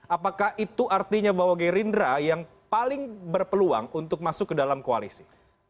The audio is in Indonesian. apakah itu artinya bahwa gerindra yang paling berpeluang untuk masuk ke dalam koalisi